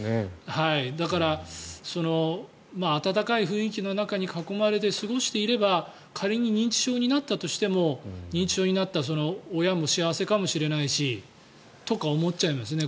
だから温かい雰囲気の中に囲まれて過ごしていれば仮に認知症になったとしても認知症になったその親も幸せかもしれないしとか思っちゃいますね。